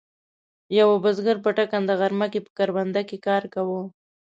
یوه بزګر په ټکنده غرمه کې په کرونده کې کار کاوه.